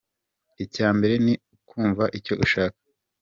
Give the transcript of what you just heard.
Icya mbere ni ukumva icyo ushaka.